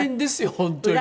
本当に。